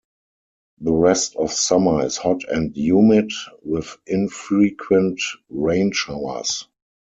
The rest of summer is hot and humid, with infrequent rain showers.